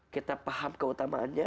kita paham keutamaannya